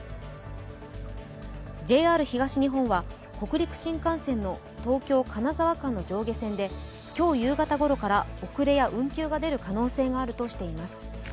ＪＲ東日本は北陸新幹線の東京−金沢間の上下線で今日夕方ごろから遅れや運休が出る可能性があるとしています。